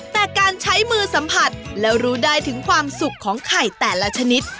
แต่การใช้มือสัมผัสแล้วรู้ได้ถึงความสุขของไข่แต่ละชนิด